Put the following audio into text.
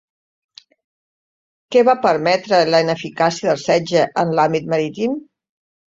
Què va permetre la ineficàcia del setge en l'àmbit marítim?